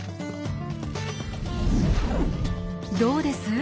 どうです？